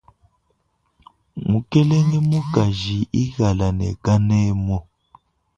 Mukalenge mukaji ikala ne kanemu.